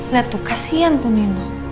lihat tuh kasihan tuh nino